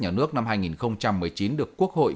nhà nước năm hai nghìn một mươi chín được quốc hội